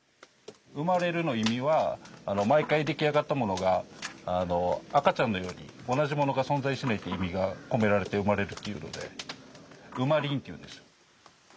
生まれるの意味は毎回出来上がったものがあの赤ちゃんのように同じものが存在しないって意味が込められて生まれるっていうので「うまりん」っていうんですよ。